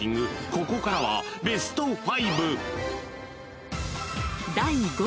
［ここからはベスト５］